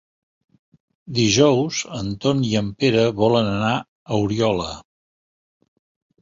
Dijous en Ton i en Pere volen anar a Oriola.